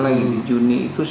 lagi di juni itu